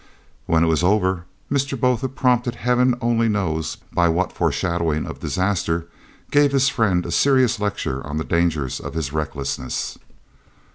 When it was over, Mr. Botha, prompted Heaven only knows by what foreshadowing of disaster, gave his friend a serious lecture on the dangers of his recklessness.